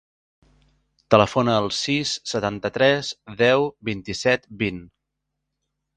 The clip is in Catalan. Telefona al sis, setanta-tres, deu, vint-i-set, vint.